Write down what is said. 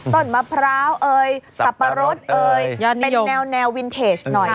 ต้นมะพร้าวสับปะรดเป็นแนวแนววินเทจหน่อย